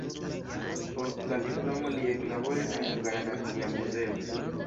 Post la diplomo li eklaboris en Hungara Nacia Muzeo.